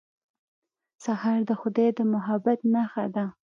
سهار د خدای د محبت نښه ده.